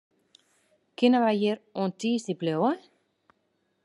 Kinne wy hjir oant tiisdei bliuwe?